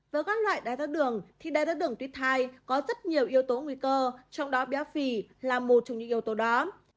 với các loại đai thác đường thì đai thác đường tuyết thai có rất nhiều yếu tố nguy cơ trong đó béo phì là một trong những yếu tố đó